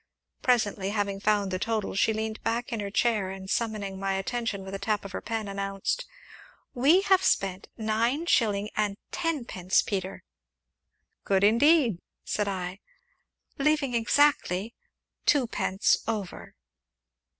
Presently, having found the total, she leaned back in her chair and, summoning my attention with a tap of her pen, announced: "We have spent nine shillings and tenpence, Peter!" "Good, indeed!" said I. "Leaving exactly twopence over."